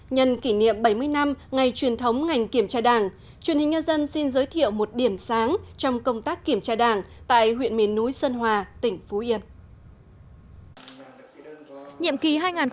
nhân kỷ niệm bảy mươi năm ngày truyền thống ngành kiểm tra đảng truyền hình nhân dân xin giới thiệu một điểm sáng trong công tác kiểm tra đảng tại huyện miền núi sơn hòa tỉnh phú yên